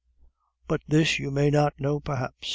But this you may not know perhaps.